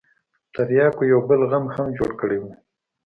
ترياکو يو بل غم هم جوړ کړى و.